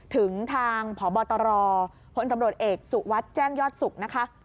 ถึงทางพบตรพลตำรวจเอกสุวัสดิ์แจ้งยอดสุขนะคะ